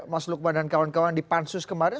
mas lukman dan kawan kawan di pansus kemarin